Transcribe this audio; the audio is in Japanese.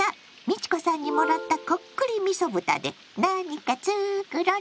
美智子さんにもらった「こっくりみそ豚」で何か作ろっと！